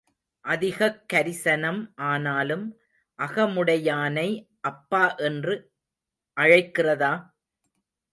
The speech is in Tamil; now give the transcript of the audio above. அதிகக் கரிசனம் ஆனாலும் அகமுடையானை அப்பா என்று அழைக்கிறதா?